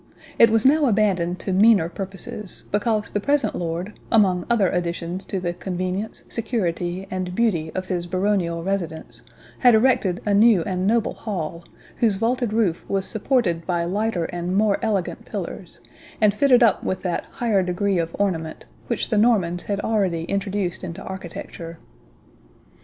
It was now abandoned to meaner purposes, because the present lord, among other additions to the convenience, security, and beauty of his baronial residence, had erected a new and noble hall, whose vaulted roof was supported by lighter and more elegant pillars, and fitted up with that higher degree of ornament, which the Normans had already introduced into architecture.